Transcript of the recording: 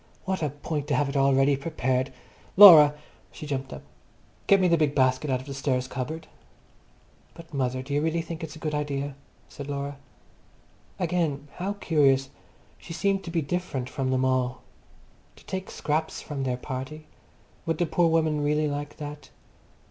What a point to have it all ready prepared. Laura!" She jumped up. "Get me the big basket out of the stairs cupboard." "But, mother, do you really think it's a good idea?" said Laura. Again, how curious, she seemed to be different from them all. To take scraps from their party. Would the poor woman really like that?